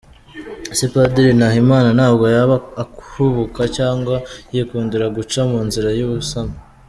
Ese Padiri Nahimana ntabwo yaba ahubuka cyangwa yikundira guca mu nzira y’ubusamo?